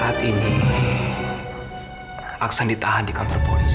saat ini aksan ditahan di kantor polisi